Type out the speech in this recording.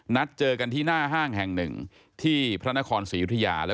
นัดเจอกันที่หน้าห้างแห่งหนึ่งที่พระนครศรียุธยา